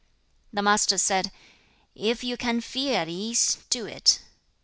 The Master said, 'If you can feel at ease, do it.